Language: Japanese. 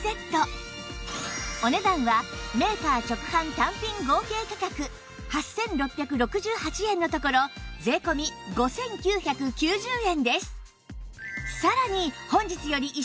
お値段はメーカー直販単品合計価格８６６８円のところ税込５９９０円です